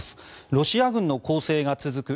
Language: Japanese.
ロシア軍の攻勢が続く